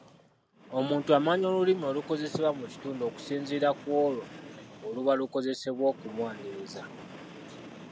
Omuntu amanya olulimi olukozesebwa mu kitundu okusinziira ku olwo olubalukozeseddwa okumwaniriza.